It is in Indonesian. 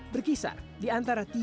berkisar di antara tiga